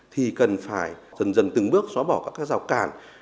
thì cần phải dần dần từng bước xóa bỏ các rào càn